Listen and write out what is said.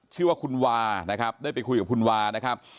ชื่อว่าคุณวานะครับได้ไปคุยกับคุณวานะครับ